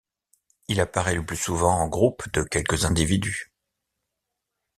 Il apparaît le plus souvent en groupe de quelques individus.